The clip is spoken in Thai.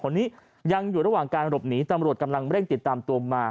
คนนี้ยังอยู่ระหว่างการหลบหนีตำรวจกำลังเร่งติดตามตัวมา